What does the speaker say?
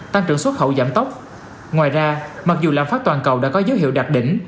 tăng trưởng xuất khẩu giảm tốc ngoài ra mặc dù lạm phát toàn cầu đã có dấu hiệu đạt đỉnh